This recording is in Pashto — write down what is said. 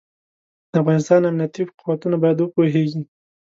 د افغانستان امنيتي قوتونه بايد وپوهېږي.